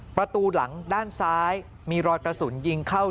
ประตูหลังด้านซ้ายมีรอยกระสุนยิงเข้า